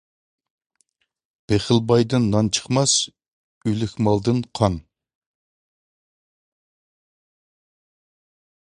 بېخىل بايدىن نان چىقماس، ئۆلۈك مالدىن قان.